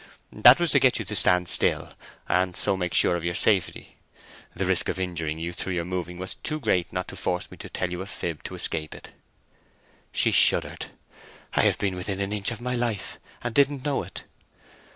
"That was to get you to stand still, and so make sure of your safety. The risk of injuring you through your moving was too great not to force me to tell you a fib to escape it." She shuddered. "I have been within an inch of my life, and didn't know it!"